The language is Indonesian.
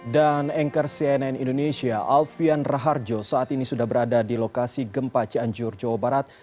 dan anchor cnn indonesia alfian raharjo saat ini sudah berada di lokasi gempa cianjur jawa barat